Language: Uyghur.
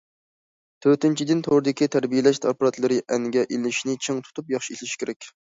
تۆتىنچىدىن، توردىكى تەربىيەلەش ئاپپاراتلىرى ئەنگە ئېلىشنى چىڭ تۇتۇپ ياخشى ئىشلىشى كېرەك.